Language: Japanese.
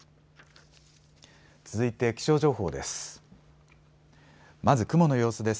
続いて気象情報です。